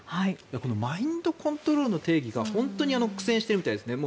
マインドコントロールの定義が本当に苦戦してるみたいですね。